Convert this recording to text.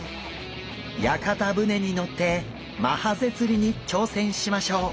屋形船に乗ってマハゼ釣りに挑戦しましょう！